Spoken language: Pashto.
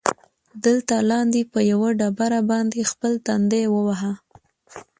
دلته لاندې، په یوه ډبره باندې خپل تندی ووهه.